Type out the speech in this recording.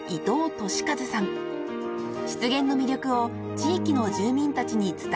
［湿原の魅力を地域の住民たちに伝え始めたのです］